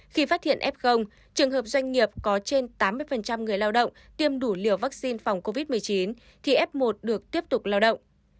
khi phát hiện f trường hợp doanh nghiệp có trên tám mươi người lao động tiêm đủ liều vaccine phòng covid một mươi chín thì f một được tiếp tục lao động